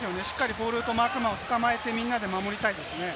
ボールとマークマンを捕まえて、みんなで守りたいですね。